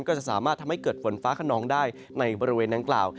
ก็จะสามารถทำให้เกิดฝนฟ้าขนองได้ในบริเวณดังกล่าว